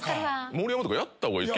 盛山とかやった方がいい